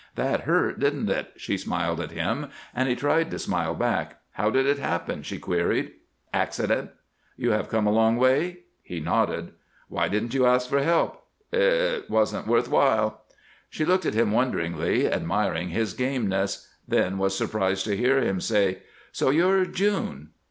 "That hurt, didn't it?" she smiled at him, and he tried to smile back. "How did it happen?" she queried. "Accident." "You have come a long way?" He nodded. "Why didn't you ask for help?" "It wasn't worth while." She looked at him wonderingly, admiring his gameness; then was surprised to hear him say: "So you're June!"